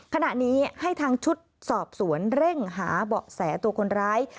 ขณะนี้ให้ทางชุดสอบสวนเร่งหาเบาะแสตัวคนร้าย